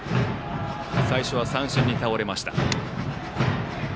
最初は三振に倒れました。